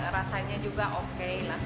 rasanya juga oke lah